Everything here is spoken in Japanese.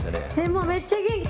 もうめっちゃ元気！